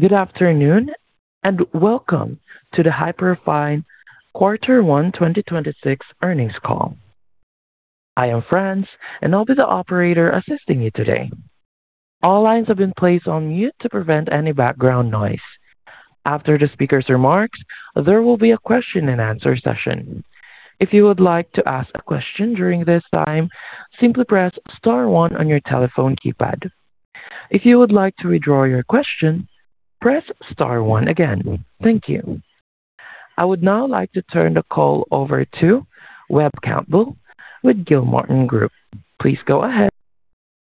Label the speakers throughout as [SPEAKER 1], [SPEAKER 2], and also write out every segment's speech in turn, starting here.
[SPEAKER 1] Good afternoon, and welcome to the Hyperfine quarter one 2026 earnings call. I am Franz, and I'll be the Operator assisting you today. All lines have been placed on mute to prevent any background noise. After the speaker's remarks, there will be a question and answer session. If you would like to ask a question during this time, simply press star one on your telephone keypad. If you would like to withdraw your question, press star one again. Thank you. I would now like to turn the call over to Webb Campbell with Gilmartin Group. Please go ahead.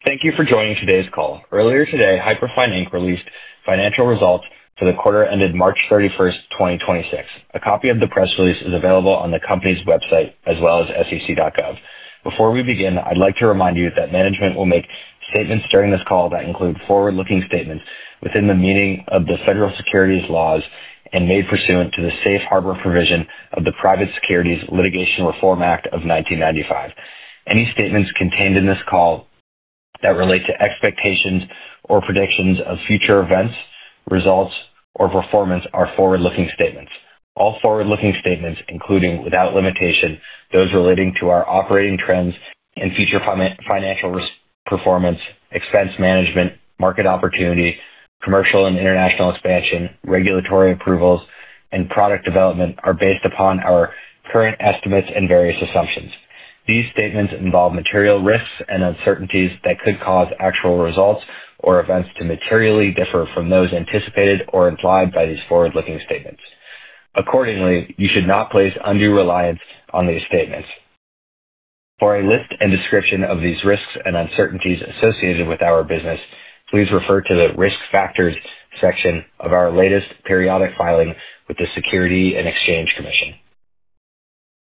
[SPEAKER 2] Thank you for joining today's call. Earlier today, Hyperfine, Inc. released financial results for the quarter ended March 31st, 2026. A copy of the press release is available on the company's website as well as sec.gov. Before we begin, I'd like to remind you that management will make statements during this call that include forward-looking statements within the meaning of the Federal securities laws and made pursuant to the safe harbor provision of the Private Securities Litigation Reform Act of 1995. Any statements contained in this call that relate to expectations or predictions of future events, results, or performance are forward-looking statements. All forward-looking statements, including without limitation, those relating to our operating trends and future financial risk performance, expense management, market opportunity, commercial and international expansion, regulatory approvals, and product development are based upon our current estimates and various assumptions. These statements involve material risks and uncertainties that could cause actual results or events to materially differ from those anticipated or implied by these forward-looking statements. Accordingly, you should not place undue reliance on these statements. For a list and description of these risks and uncertainties associated with our business, please refer to the Risk Factors section of our latest periodic filing with the Securities and Exchange Commission.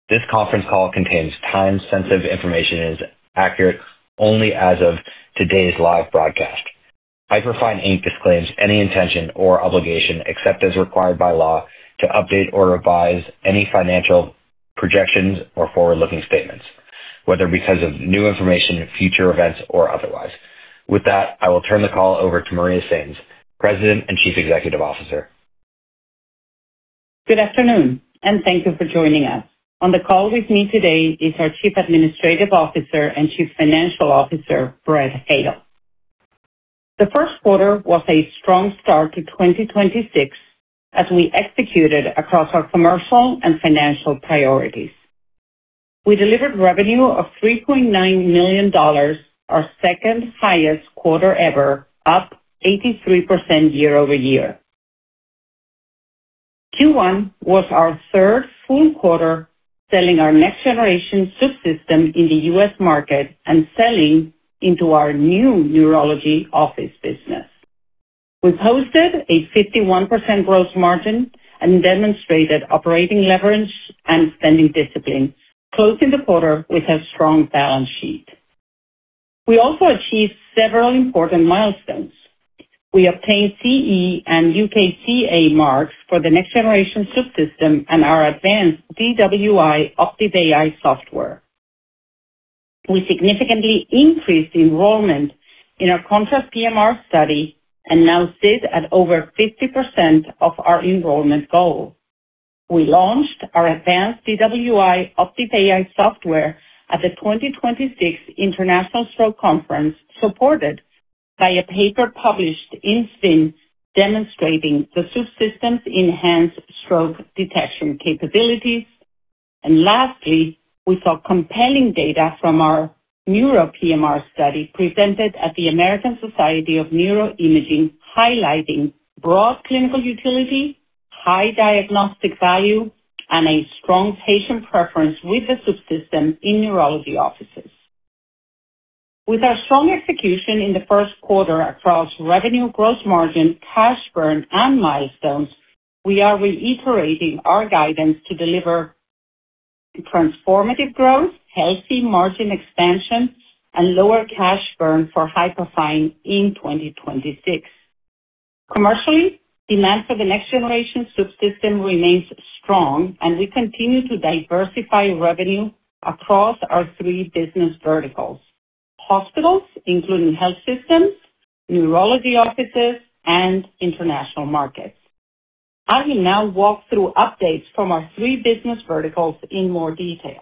[SPEAKER 2] This conference call contains time-sensitive information and is accurate only as of today's live broadcast. Hyperfine, Inc. disclaims any intention or obligation, except as required by law, to update or revise any financial projections or forward-looking statements, whether because of new information, future events, or otherwise. With that, I will turn the call over to Maria Sainz, President and Chief Executive Officer.
[SPEAKER 3] Good afternoon, and thank you for joining us. On the call with me today is our Chief Administrative Officer and Chief Financial Officer, Brett Hale. The first quarter was a strong start to 2026 as we executed across our commercial and financial priorities. We delivered revenue of $3.9 million, our second-highest quarter ever, up 83% year-over-year. Q1 was our third full quarter selling our next generation Swoop system in the U.S. market and selling into our new neurology office business. We posted a 51% gross margin and demonstrated operating leverage and spending discipline, closing the quarter with a strong balance sheet. We also achieved several important milestones. We obtained CE and UKCA marks for the next generation Swoop system and our advanced DWI Optive AI software. We significantly increased enrollment in our Contrast PMR study and now sit at over 50% of our enrollment goal. We launched our advanced DWI Optive AI software at the 2026 International Stroke Conference, supported by a paper published in S:VIN, Stroke: Vascular and Interventional Neurology, demonstrating the Swoop system's enhanced stroke detection capabilities. Lastly, we saw compelling data from our NEURO-PMR study presented at the American Society of Neuroimaging, highlighting broad clinical utility, high diagnostic value, and a strong patient preference with the Swoop system in neurology offices. With our strong execution in the first quarter across revenue, gross margin, cash burn, and milestones, we are reiterating our guidance to deliver transformative growth, healthy margin expansion, and lower cash burn for Hyperfine in 2026. Commercially, demand for the next generation Swoop system remains strong, and we continue to diversify revenue across our three business verticals: hospitals, including health systems, neurology offices, and international markets. I will now walk through updates from our three business verticals in more detail.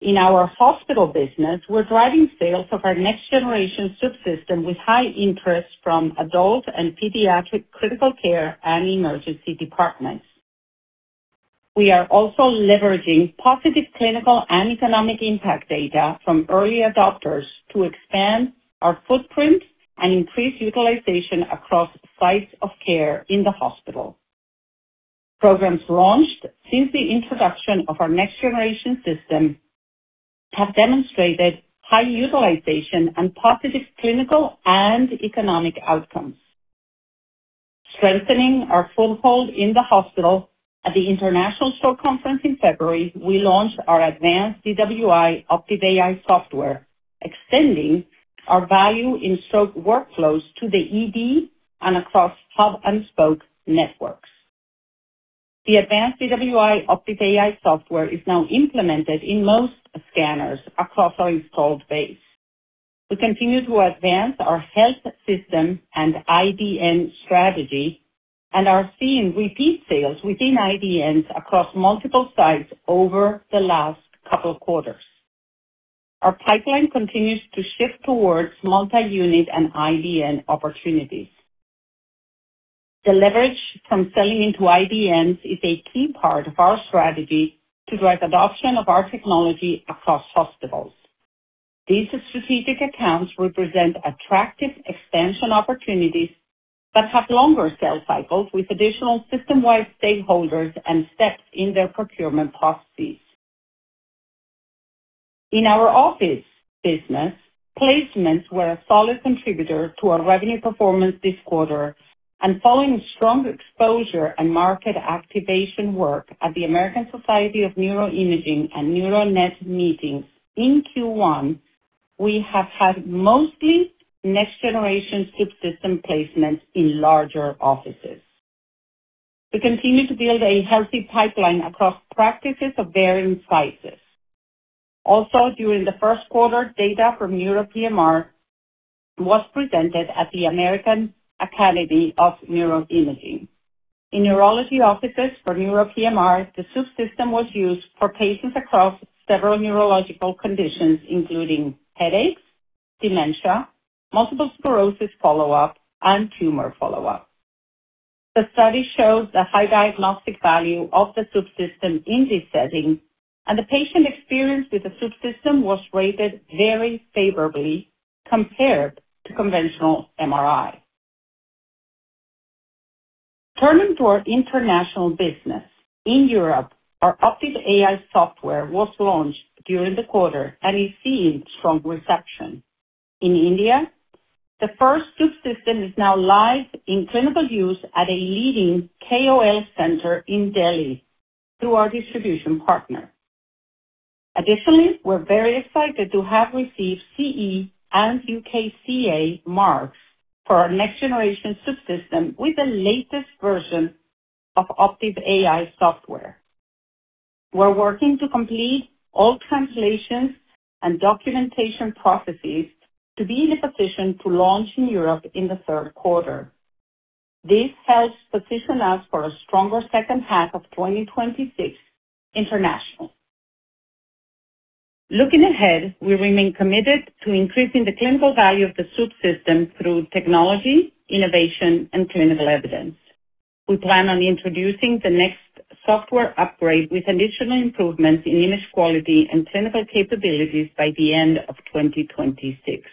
[SPEAKER 3] In our hospital business, we're driving sales of our next generation Swoop system with high interest from adult and pediatric critical care and emergency departments. We are also leveraging positive clinical and economic impact data from early adopters to expand our footprint and increase utilization across sites of care in the hospital. Programs launched since the introduction of our next generation system have demonstrated high utilization and positive clinical and economic outcomes. Strengthening our foothold in the hospital at the International Stroke Conference in February, we launched our advanced DWI Optive AI software, extending our value in stroke workflows to the ED and across hub and spoke networks. The advanced DWI Optive AI software is now implemented in most scanners across our installed base. We continue to advance our health system and IDN strategy and are seeing repeat sales within IDNs across multiple sites over the last couple of quarters. Our pipeline continues to shift towards multi-unit and IDN opportunities. The leverage from selling into IDNs is a key part of our strategy to drive adoption of our technology across hospitals. These strategic accounts represent attractive expansion opportunities that have longer sales cycles with additional system-wide stakeholders and steps in their procurement processes. In our office business, placements were a solid contributor to our revenue performance this quarter, and following strong exposure and market activation work at the American Society of Neuroimaging and NeuroNet meetings in Q1, we have had mostly next-generation Swoop system placements in larger offices. We continue to build a healthy pipeline across practices of varying sizes. During the first quarter, data from NEURO-PMR was presented at the American Society of Neuroimaging. In neurology offices for NEURO-PMR, the Swoop system was used for patients across several neurological conditions, including headaches, dementia, multiple sclerosis follow-up, and tumor follow-up. The study shows the high diagnostic value of the Swoop system in this setting, and the patient experience with the Swoop system was rated very favorably compared to conventional MRI. Turning to our international business. In Europe, our Optive AI software was launched during the quarter and received strong reception. In India, the first Swoop system is now live in clinical use at a leading KOL center in Delhi through our distribution partner. Additionally, we're very excited to have received CE and UKCA marks for our next-generation Swoop system with the latest version of Optive AI software. We're working to complete all translations and documentation processes to be in a position to launch in Europe in the third quarter. This helps position us for a stronger second half of 2026 internationally. Looking ahead, we remain committed to increasing the clinical value of the Swoop system through technology, innovation, and clinical evidence. We plan on introducing the next software upgrade with additional improvements in image quality and clinical capabilities by the end of 2026.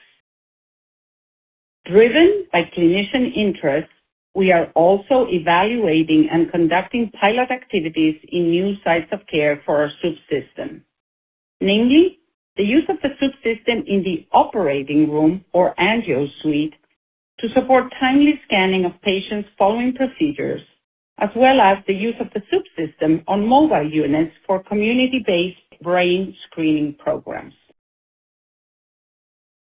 [SPEAKER 3] Driven by clinician interest, we are also evaluating and conducting pilot activities in new sites of care for our Swoop system, namely the use of the Swoop system in the operating room or angio suite to support timely scanning of patients following procedures, as well as the use of the Swoop system on mobile units for community-based brain screening programs.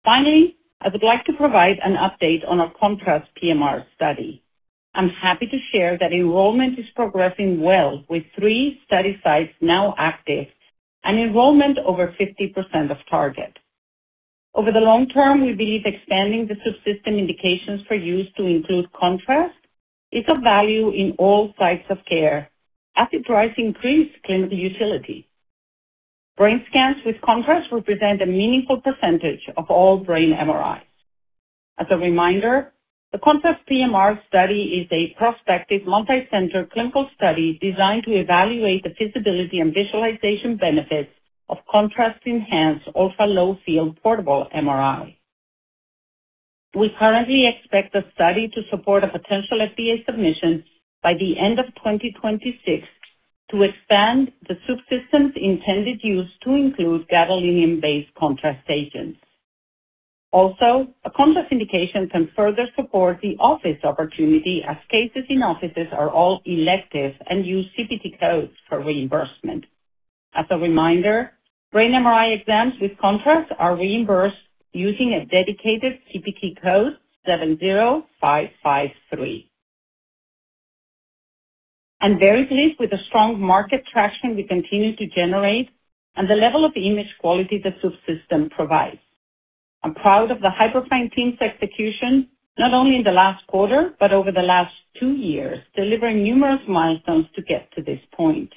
[SPEAKER 3] I would like to provide an update on our Contrast PMR study. I'm happy to share that enrollment is progressing well, with three study sites now active and enrollment over 50% of target. Over the long term, we believe expanding the Swoop system indications for use to include contrast is of value in all sites of care as it drives increased clinical utility. Brain scans with contrast represent a meaningful percentage of all brain MRIs. As a reminder, the Contrast PMR study is a prospective multi-center clinical study designed to evaluate the feasibility and visualization benefits of contrast-enhanced ultra-low field portable MRI. We currently expect the study to support a potential FDA submission by the end of 2026 to expand the Swoop system's intended use to include gadolinium-based contrast agents. A contrast indication can further support the office opportunity as cases in offices are all elective and use CPT codes for reimbursement. As a reminder, brain MRI exams with contrast are reimbursed using a dedicated CPT code 70553. I'm very pleased with the strong market traction we continue to generate and the level of image quality the Swoop system provides. I'm proud of the Hyperfine team's execution, not only in the last quarter, but over the last two years, delivering numerous milestones to get to this point.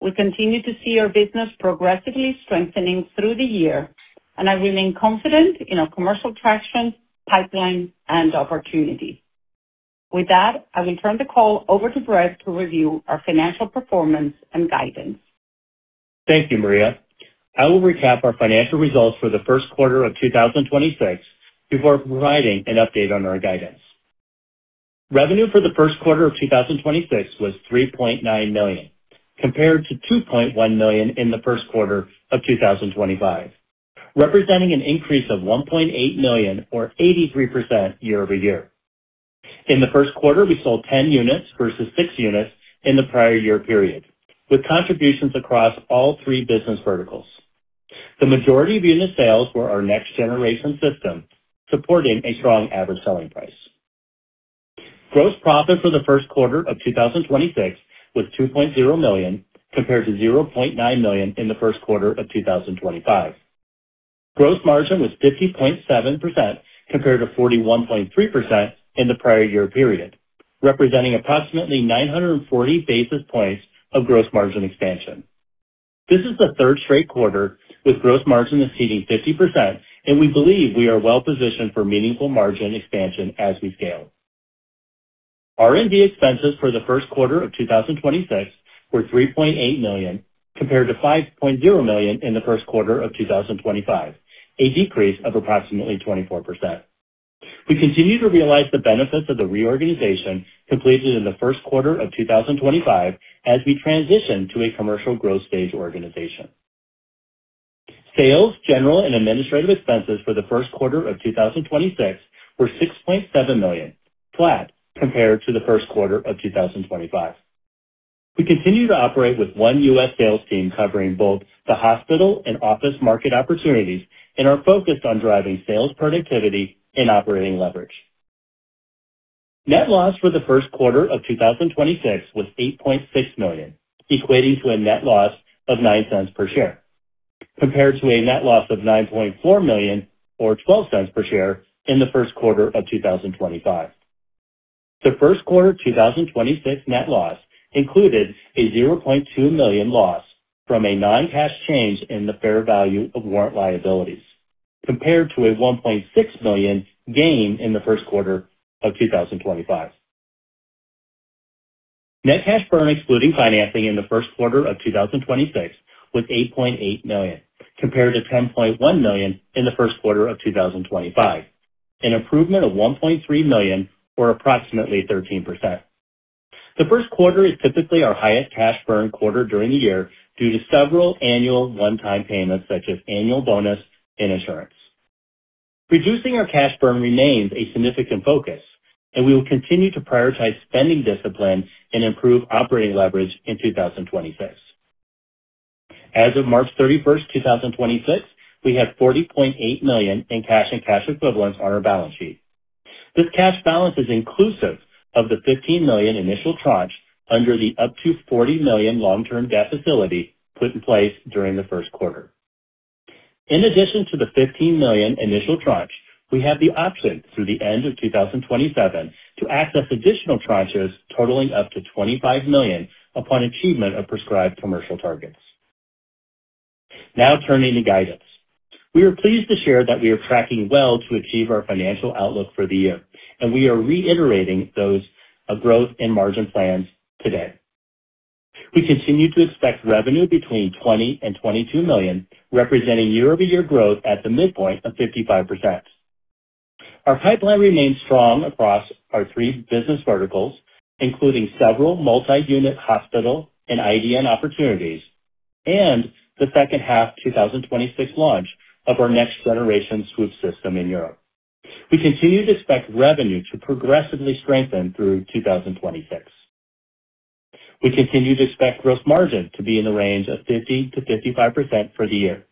[SPEAKER 3] We continue to see our business progressively strengthening through the year. I remain confident in our commercial traction, pipeline, and opportunity. With that, I will turn the call over to Brett to review our financial performance and guidance.
[SPEAKER 4] Thank you, Maria. I will recap our financial results for the first quarter of 2026 before providing an update on our guidance. Revenue for the first quarter of 2026 was $3.9 million, compared to $2.1 million in the first quarter of 2025, representing an increase of $1.8 million or 83% year-over-year. In the first quarter, we sold 10 units versus six units in the prior year period, with contributions across all three business verticals. The majority of unit sales were our next-generation system, supporting a strong average selling price. Gross profit for the first quarter of 2026 was $2.0 million, compared to $0.9 million in the first quarter of 2025. Gross margin was 50.7% compared to 41.3% in the prior year period, representing approximately 940 basis points of gross margin expansion. This is the third straight quarter with gross margin exceeding 50%, and we believe we are well-positioned for meaningful margin expansion as we scale. R&D expenses for the first quarter of 2026 were $3.8 million, compared to $5.0 million in the first quarter of 2025, a decrease of approximately 24%. We continue to realize the benefits of the reorganization completed in the first quarter of 2025 as we transition to a commercial growth stage organization. Sales, general, and administrative expenses for the first quarter of 2026 were $6.7 million, flat compared to the first quarter of 2025. We continue to operate with one U.S. sales team covering both the hospital and office market opportunities and are focused on driving sales productivity and operating leverage. Net loss for the first quarter of 2026 was $8.6 million, equating to a net loss of $0.09 per share, compared to a net loss of $9.4 million or $0.12 per share in the first quarter of 2025. The first quarter 2026 net loss included a $0.2 million loss from a non-cash change in the fair value of warrant liabilities, compared to a $1.6 million gain in the first quarter of 2025. Net cash burn excluding financing in the first quarter of 2026 was $8.8 million, compared to $10.1 million in the first quarter of 2025, an improvement of $1.3 million or approximately 13%. The first quarter is typically our highest cash burn quarter during the year due to several annual one-time payments such as annual bonus and insurance. Reducing our cash burn remains a significant focus, and we will continue to prioritize spending discipline and improve operating leverage in 2026. As of March 31st, 2026, we have $40.8 million in cash and cash equivalents on our balance sheet. This cash balance is inclusive of the $15 million initial tranche under the up to $40 million long-term debt facility put in place during the first quarter. In addition to the $15 million initial tranche, we have the option through the end of 2027 to access additional tranches totaling up to $25 million upon achievement of prescribed commercial targets. Turning to guidance. We are pleased to share that we are tracking well to achieve our financial outlook for the year, and we are reiterating those growth and margin plans today. We continue to expect revenue between $20 million-$22 million, representing year-over-year growth at the midpoint of 55%. Our pipeline remains strong across our three business verticals, including several multi-unit hospital and IDN opportunities and the second half 2026 launch of our next-generation Swoop system in Europe. We continue to expect revenue to progressively strengthen through 2026. We continue to expect gross margin to be in the range of 50%-55% for the year.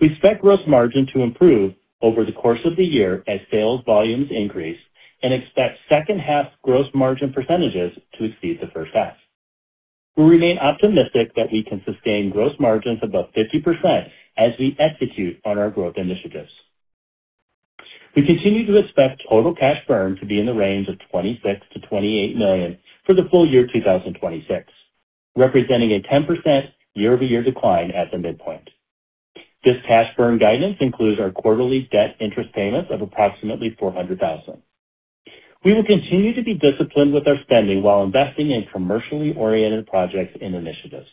[SPEAKER 4] We expect gross margin to improve over the course of the year as sales volumes increase and expect second half gross margin percentages to exceed the first half. We remain optimistic that we can sustain gross margins above 50% as we execute on our growth initiatives. We continue to expect total cash burn to be in the range of $26 million-$28 million for the full year 2026, representing a 10% year-over-year decline at the midpoint. This cash burn guidance includes our quarterly debt interest payments of approximately $400,000. We will continue to be disciplined with our spending while investing in commercially oriented projects and initiatives.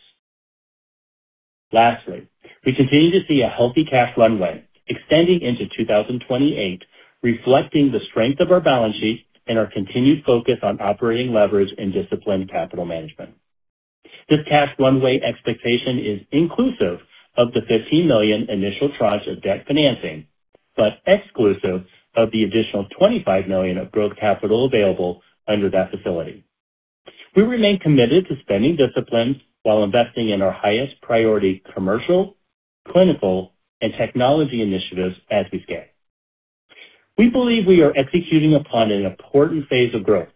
[SPEAKER 4] Lastly, we continue to see a healthy cash runway extending into 2028, reflecting the strength of our balance sheet and our continued focus on operating leverage and disciplined capital management. This cash runway expectation is inclusive of the $15 million initial tranche of debt financing, but exclusive of the additional $25 million of growth capital available under that facility. We remain committed to spending discipline while investing in our highest priority commercial, clinical, and technology initiatives as we scale. We believe we are executing upon an important phase of growth,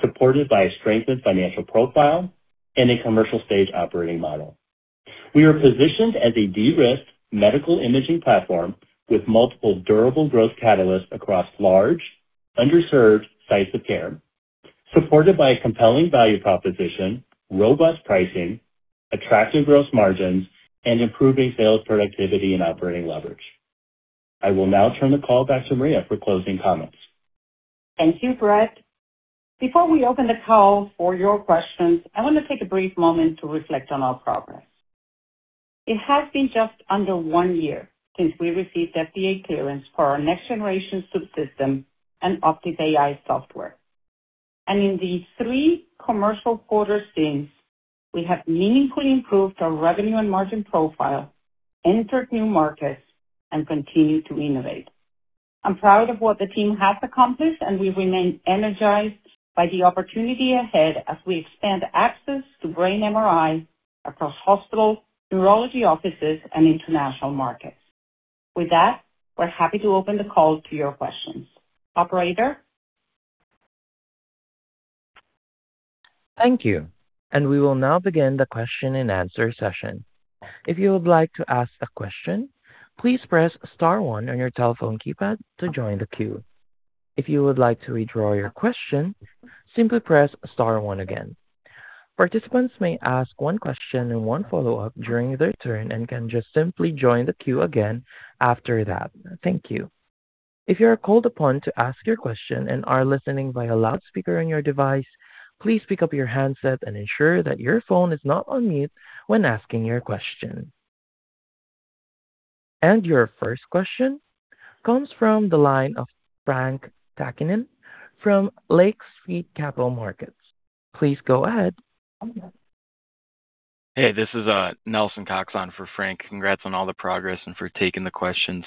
[SPEAKER 4] supported by a strengthened financial profile and a commercial stage operating model. We are positioned as a de-risked medical imaging platform with multiple durable growth catalysts across large, underserved sites of care, supported by a compelling value proposition, robust pricing, attractive gross margins, and improving sales productivity and operating leverage. I will now turn the call back to Maria for closing comments.
[SPEAKER 3] Thank you, Brett. Before we open the call for your questions, I want to take a brief moment to reflect on our progress. It has been just under one year since we received FDA clearance for our next-generation Swoop system and Optive AI software. In these three commercial quarters since, we have meaningfully improved our revenue and margin profile, entered new markets, and continued to innovate. I'm proud of what the team has accomplished, and we remain energized by the opportunity ahead as we expand access to brain MRI across hospital, neurology offices, and international markets. With that, we're happy to open the call to your questions. Operator?
[SPEAKER 1] Thank you. We will now begin the question and answer session. Participants may ask one question and one follow-up during their turn and can just simply join the queue again after that. Thank you. If you are called upon to ask your question and are listening via loudspeaker on your device, please pick up your handset and ensure that your phone is not on mute when asking your question. Your first question comes from the line of Frank Takkinen from Lake Street Capital Markets. Please go ahead.
[SPEAKER 5] Hey, this is Nelson Cox for Frank. Congrats on all the progress and for taking the questions.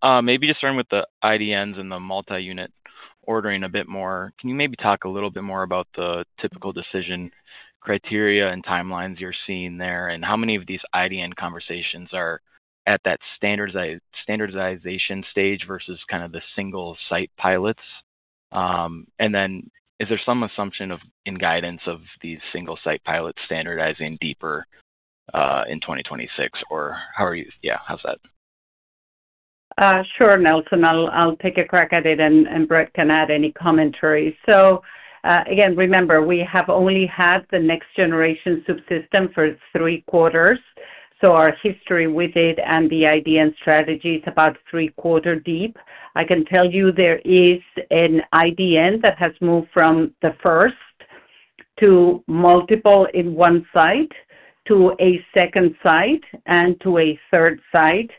[SPEAKER 5] Maybe just starting with the IDNs and the multi-unit ordering a bit more. Can you maybe talk a little bit more about the typical decision criteria and timelines you're seeing there, and how many of these IDN conversations are at that standardization stage versus kind of the single site pilots? Then is there some assumption in guidance of these single site pilots standardizing deeper in 2026? How's that?
[SPEAKER 3] Sure, Nelson. I'll take a crack at it and Brett can add any commentary. Again, remember, we have only had the next generation Swoop system for three quarters, so our history with it and the IDN strategy is about three-quarter deep. I can tell you there is an IDN that has moved from the first to multiple in one site to a second site and to a third site.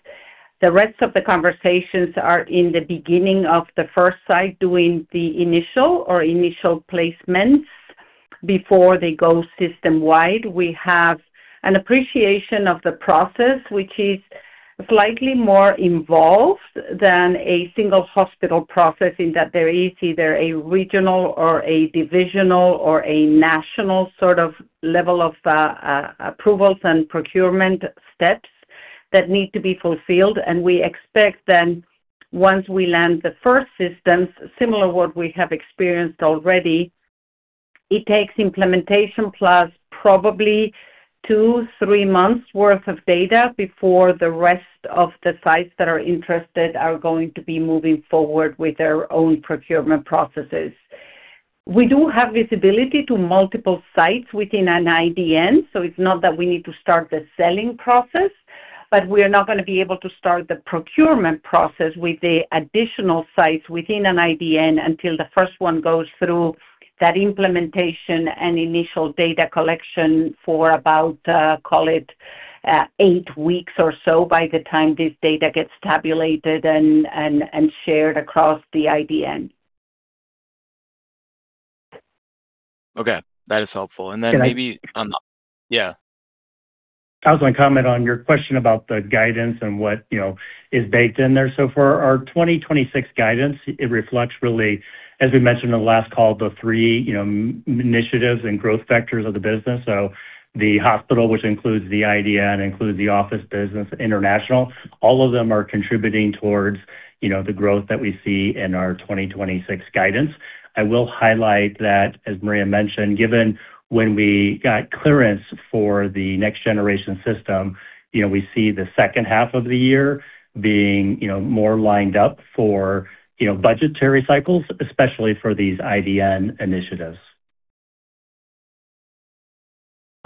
[SPEAKER 3] The rest of the conversations are in the beginning of the first site doing the initial or initial placements before they go system-wide. We have an appreciation of the process, which is slightly more involved than a single hospital process in that there is either a regional or a divisional or a national sort of level of approvals and procurement steps that need to be fulfilled. We expect then once we land the first systems, similar what we have experienced already, it takes implementation plus probably two, three months worth of data before the rest of the sites that are interested are going to be moving forward with their own procurement processes. We do have visibility to multiple sites within an IDN, so it's not that we need to start the selling process. But we're not gonna be able to start the procurement process with the additional sites within an IDN until the first one goes through that implementation and initial data collection for about, call it, eight weeks or so by the time this data gets tabulated and shared across the IDN.
[SPEAKER 5] Okay. That is helpful.
[SPEAKER 4] Can I?
[SPEAKER 5] Yeah.
[SPEAKER 4] I was gonna comment on your question about the guidance and what, you know, is baked in there. For our 2026 guidance, it reflects really, as we mentioned in the last call, the three initiatives and growth vectors of the business. The hospital, which includes the IDN, includes the office business international. All of them are contributing towards, you know, the growth that we see in our 2026 guidance. I will highlight that, as Maria mentioned, given when we got clearance for the next generation system. You know, we see the second half of the year being, you know, more lined up for, you know, budgetary cycles, especially for these IDN initiatives.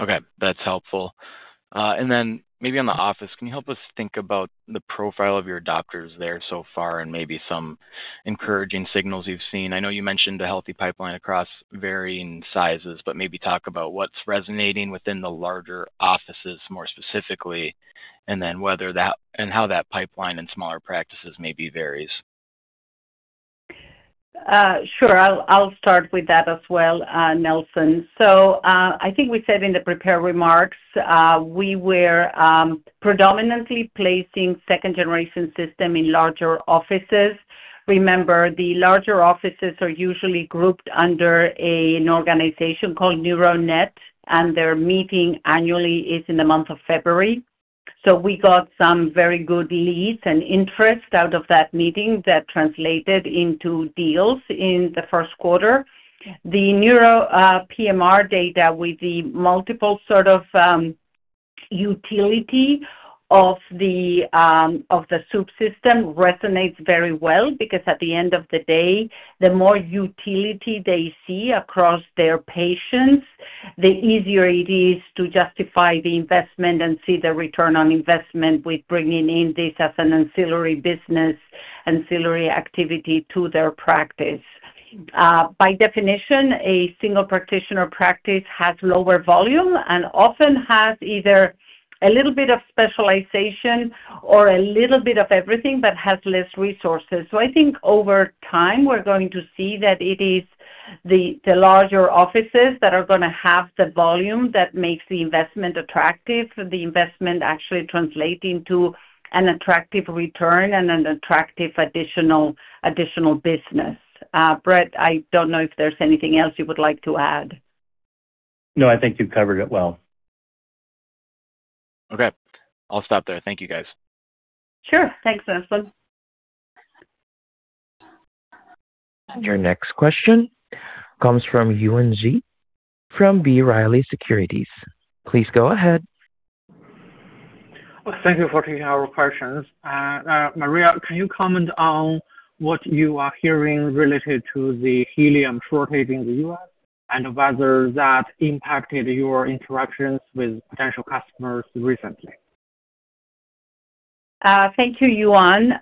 [SPEAKER 5] Okay, that's helpful. Then maybe on the office, can you help us think about the profile of your adopters there so far and maybe some encouraging signals you've seen? I know you mentioned the healthy pipeline across varying sizes, but maybe talk about what's resonating within the larger offices more specifically, and then whether that and how that pipeline in smaller practices maybe varies.
[SPEAKER 3] Sure. I'll start with that as well, Nelson. I think we said in the prepared remarks, we were predominantly placing second generation system in larger offices. Remember, the larger offices are usually grouped under an organization called NeuroNet, and their meeting annually is in the month of February. We got some very good leads and interest out of that meeting that translated into deals in the first quarter. The NEURO-PMR data with the multiple sort of utility of the Swoop system resonates very well because at the end of the day, the more utility they see across their patients, the easier it is to justify the investment and see the return on investment with bringing in this as an ancillary business, ancillary activity to their practice. By definition, a single practitioner practice has lower volume and often has either a little bit of specialization or a little bit of everything, but has less resources. I think over time, we're going to see that the larger offices that are gonna have the volume that makes the investment attractive, the investment actually translating to an attractive return and an attractive additional business. Brett, I don't know if there's anything else you would like to add.
[SPEAKER 4] No, I think you covered it well.
[SPEAKER 5] Okay. I'll stop there. Thank you, guys.
[SPEAKER 3] Sure. Thanks, Nelson.
[SPEAKER 1] Your next question comes from Yuan Zhi from B. Riley Securities. Please go ahead.
[SPEAKER 6] Thank you for taking our questions. Maria, can you comment on what you are hearing related to the helium shortage in the U.S. and whether that impacted your interactions with potential customers recently?
[SPEAKER 3] Thank you, Yuan.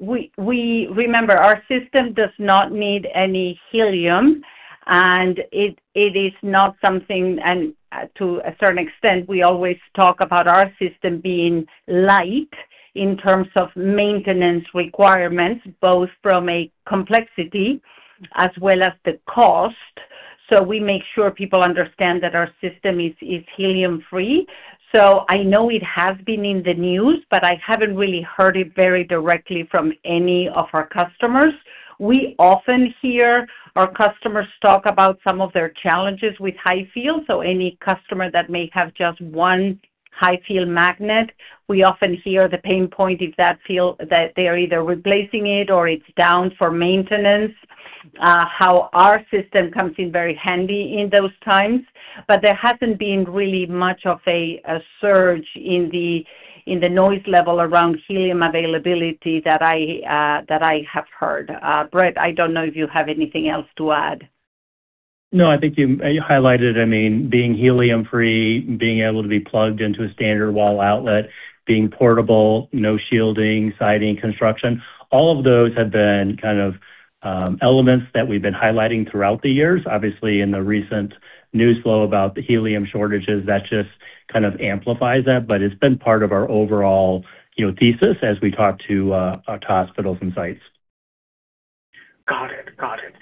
[SPEAKER 3] We remember, our system does not need any helium, and it is not something and, to a certain extent, we always talk about our system being light in terms of maintenance requirements, both from a complexity as well as the cost. We make sure people understand that our system is helium-free. I know it has been in the news, but I haven't really heard it very directly from any of our customers. We often hear our customers talk about some of their challenges with high field, so any customer that may have just one high-field magnet. We often hear the pain point if that field, that they're either replacing it or it's down for maintenance, how our system comes in very handy in those times. There hasn't been really much of a surge in the, in the noise level around helium availability that I have heard. Brett, I don't know if you have anything else to add.
[SPEAKER 4] No, I think you highlighted, I mean, being helium-free, being able to be plugged into a standard wall outlet, being portable, no shielding, siding, construction. All of those have been kind of elements that we've been highlighting throughout the years. Obviously, in the recent news flow about the helium shortages, that just kind of amplifies that, but it's been part of our overall, you know, thesis as we talk to hospitals and sites.
[SPEAKER 6] Got it. Got it.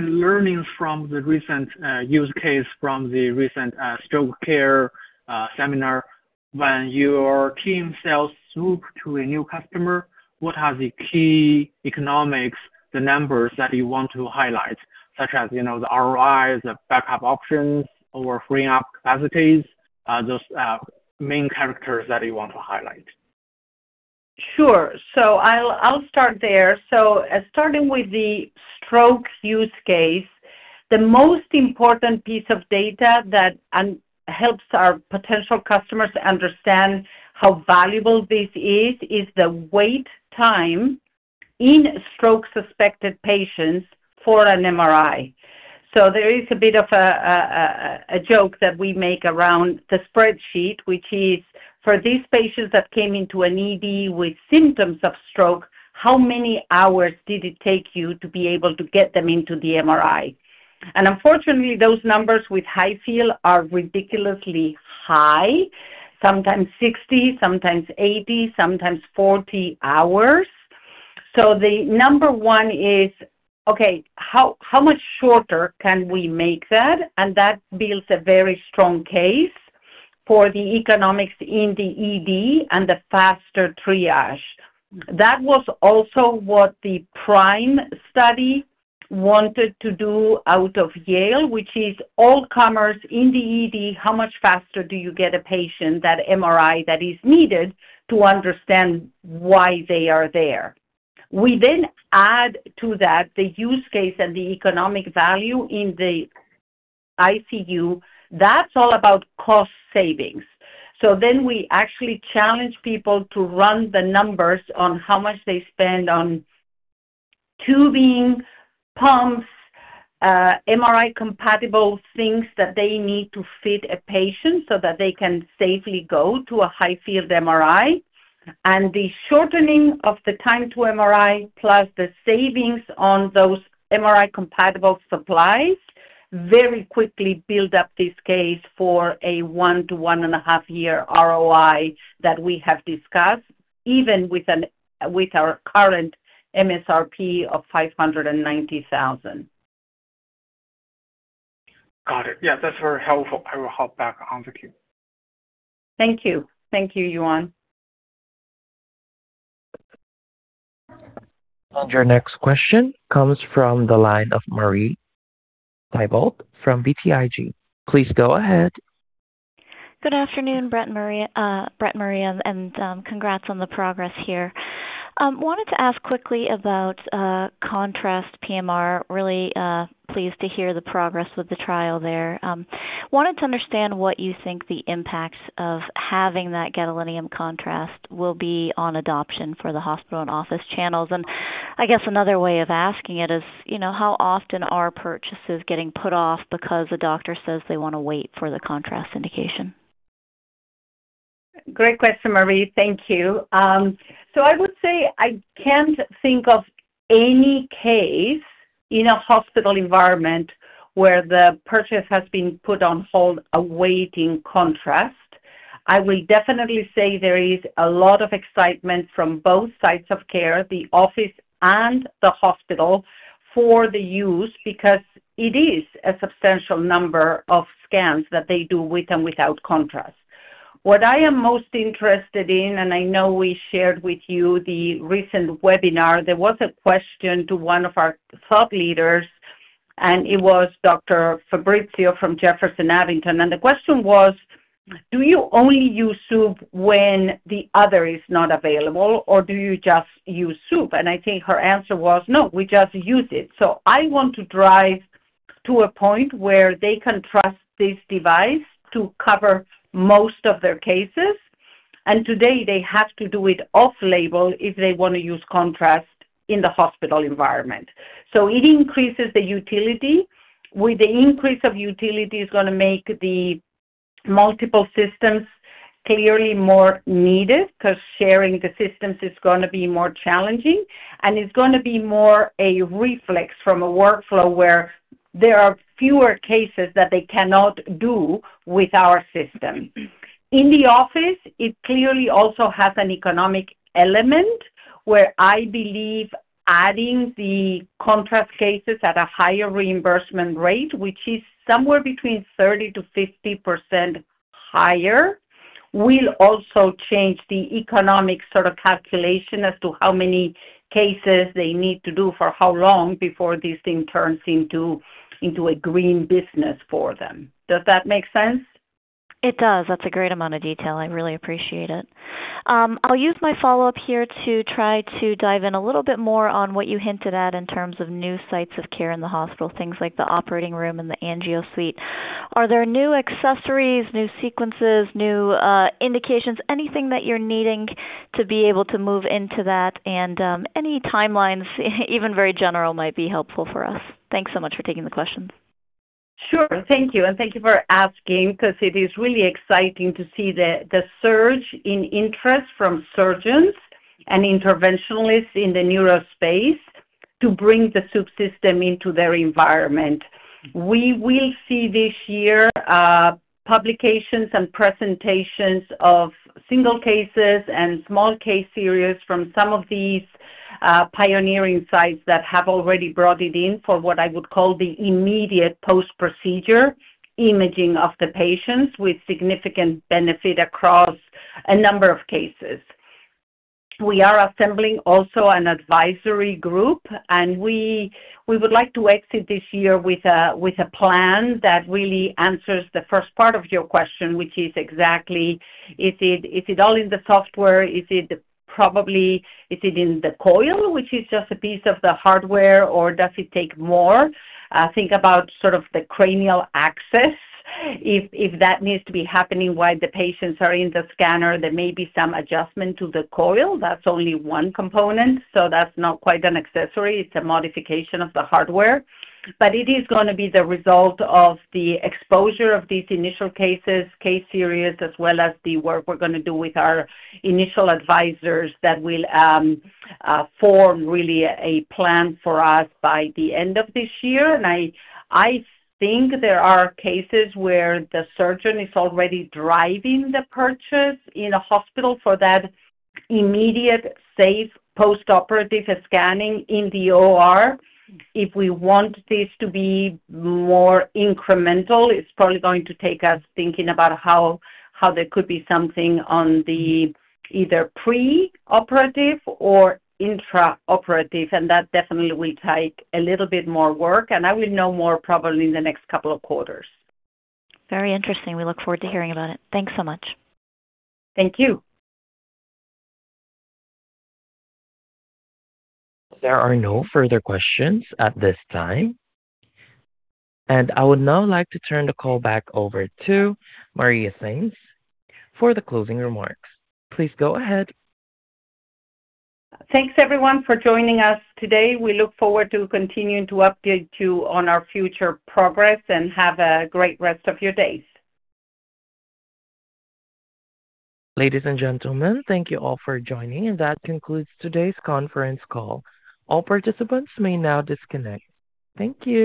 [SPEAKER 6] Learnings from the recent use case from the recent stroke care seminar. When your team sells Swoop to a new customer. What are the key economics, the numbers that you want to highlight, such as, you know, the ROIs, the backup options or freeing up capacities, those main characters that you want to highlight?
[SPEAKER 3] Sure. I'll start there. Starting with the stroke use case, the most important piece of data that helps our potential customers understand how valuable this is the wait time in stroke-suspected patients for an MRI. There is a bit of a joke that we make around the spreadsheet, which is for these patients that came into an ED with symptoms of stroke, how many hours did it take you to be able to get them into the MRI? Unfortunately, those numbers with high field are ridiculously high, sometimes 60, sometimes 80, sometimes 40 hours. The number one is, okay, how much shorter can we make that? That builds a very strong case for the economics in the ED and the faster triage. That was also what the PRIME study wanted to do out of Yale, which is all comers in the ED, how much faster do you get a patient that MRI that is needed to understand why they are there? We add to that the use case and the economic value in the ICU. That's all about cost savings. We actually challenge people to run the numbers on how much they spend on tubing, pumps, MRI-compatible things that they need to fit a patient so that they can safely go to a high-field MRI. The shortening of the time to MRI plus the savings on those MRI-compatible supplies very quickly build up this case for a 1 year-1.5 year ROI that we have discussed, even with our current MSRP of $590,000.
[SPEAKER 6] Got it. Yeah, that's very helpful. I will hop back on the queue.
[SPEAKER 3] Thank you. Thank you, Yuan.
[SPEAKER 1] Your next question comes from the line of Marie Thibault from BTIG. Please go ahead.
[SPEAKER 7] Good afternoon, Brett and Maria. Congrats on the progress here. Wanted to ask quickly about Contrast PMR. Really pleased to hear the progress with the trial there. Wanted to understand what you think the impacts of having that gadolinium contrast will be on adoption for the hospital and office channels. I guess another way of asking it is, you know, how often are purchases getting put off because a doctor says they wanna wait for the contrast indication?
[SPEAKER 3] Great question, Marie. Thank you. I would say I can't think of any case in a hospital environment where the purchase has been put on hold awaiting contrast. I will definitely say there is a lot of excitement from both sites of care, the office and the hospital, for the use because it is a substantial number of scans that they do with and without contrast. What I am most interested in, and I know we shared with you the recent webinar, there was a question to one of our thought leaders, and it was Dr. Frabizzio from Jefferson Abington. The question was, do you only use Swoop when the other is not available, or do you just use Swoop? I think her answer was, no, we just use it. I want to drive to a point where they can trust this device to cover most of their cases, and today they have to do it off-label if they wanna use contrast in the hospital environment. It increases the utility. With the increase of utility, it's gonna make the multiple systems clearly more needed, because sharing the systems is gonna be more challenging, and it's gonna be more a reflex from a workflow where there are fewer cases that they cannot do with our system. In the office, it clearly also has an economic element where I believe adding the contrast cases at a higher reimbursement rate, which is somewhere between 30%-50% higher, will also change the economic sort of calculation as to how many cases they need to do for how long before this thing turns into a green business for them. Does that make sense?
[SPEAKER 7] It does. That's a great amount of detail. I really appreciate it. I'll use my follow-up here to try to dive in a little bit more on what you hinted at in terms of new sites of care in the hospital, things like the operating room and the angio suite. Are there new accessories, new sequences, new indications, anything that you're needing to be able to move into that? Any timelines, even very general, might be helpful for us. Thanks so much for taking the questions.
[SPEAKER 3] Sure. Thank you, and thank you for asking because it is really exciting to see the surge in interest from surgeons and interventionalists in the neuro space to bring the Swoop system into their environment. We will see this year publications and presentations of single cases and small case series from some of these pioneering sites that have already brought it in for what I would call the immediate post-procedure imaging of the patients with significant benefit across a number of cases. We are assembling also an advisory group, and we would like to exit this year with a plan that really answers the first part of your question, which is exactly is it all in the software? Is it probably, is it in the coil, which is just a piece of the hardware, or does it take more? Think about sort of the cranial access. If that needs to be happening while the patients are in the scanner, there may be some adjustment to the coil. That's only one component, so that's not quite an accessory. It's a modification of the hardware. It is gonna be the result of the exposure of these initial cases, case series, as well as the work we're gonna do with our initial advisors that will form really a plan for us by the end of this year. I think there are cases where the surgeon is already driving the purchase in a hospital for that immediate safe postoperative scanning in the OR. If we want this to be more incremental, it's probably going to take us thinking about how there could be something on the either preoperative or intraoperative, and that definitely will take a little bit more work, and I will know more probably in the next couple of quarters.
[SPEAKER 7] Very interesting. We look forward to hearing about it. Thanks so much.
[SPEAKER 3] Thank you.
[SPEAKER 1] There are no further questions at this time. I would now like to turn the call back over to Maria Sainz for the closing remarks. Please go ahead.
[SPEAKER 3] Thanks everyone for joining us today. We look forward to continuing to update you on our future progress. Have a great rest of your days.
[SPEAKER 1] Ladies and gentlemen, thank you all for joining, and that concludes today's conference call. All participants may now disconnect. Thank you.